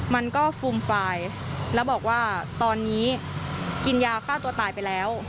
มันก็ฟูมฟายแล้วบอกว่าตอนนี้กินยาฆ่าตัวตายไปแล้ว